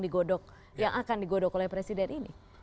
digodok yang akan digodok oleh presiden ini